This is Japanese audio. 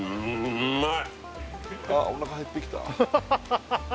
うまい！